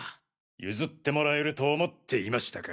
譲ってもらえると思っていましたか？